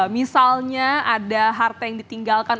misalnya ada harta yang ditinggalkan